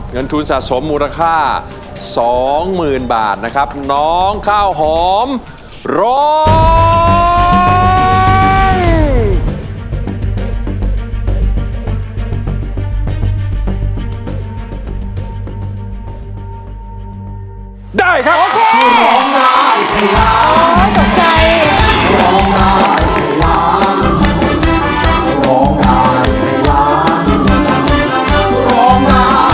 เงินทุนสะสมมูลค่า๒๐๐๐บาทนะครับน้องข้าวหอมร้อง